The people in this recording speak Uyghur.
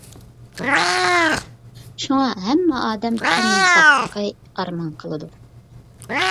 شۇڭا ھەممە ئادەم تەننىڭ ساقلىقى ئارمان قىلىدۇ.